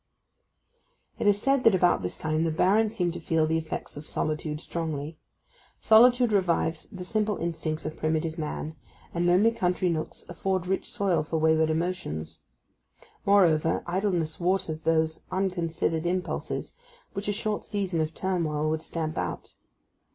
It is said that about this time the Baron seemed to feel the effects of solitude strongly. Solitude revives the simple instincts of primitive man, and lonely country nooks afford rich soil for wayward emotions. Moreover, idleness waters those unconsidered impulses which a short season of turmoil would stamp out.